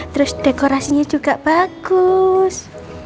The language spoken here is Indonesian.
terus dekorasinya juga bagus